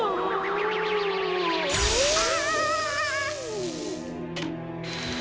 うわ！